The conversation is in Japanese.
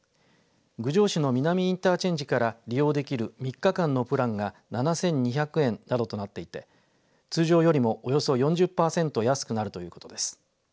郡上市の美並インターチェンジから使用できる３日間のプランが７２００円などとなっていて通常よりもおよそ４０パーセント安くなるということです。